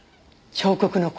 彫刻の子？